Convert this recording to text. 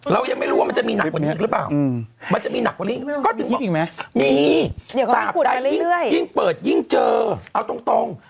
เรายังไม่รู้ว่ามันจะมีหนักกว่านี้อีกหรือเปล่ามันก็จึงต่าไปยิ่งเปิดยิ่งเจอเอาตรง